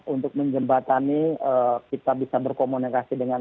untuk menjembatani kita bisa berkomunikasi dengan